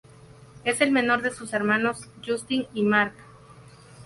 Es el menor de sus hermanos, Justin y Marc.